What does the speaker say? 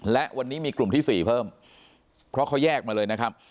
และวันนี้มีกลุ่มที่๔เพิ่มเพราะเขาแยกมาเลยนะครับ